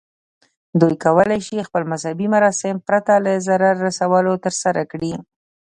دوی کولی شي خپل مذهبي مراسم پرته له ضرر رسولو ترسره کړي.